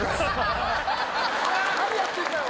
何やってんだよ